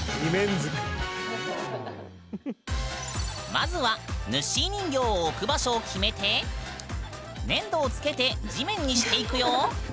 まずはぬっしー人形を置く場所を決めて粘土をつけて地面にしていくよ！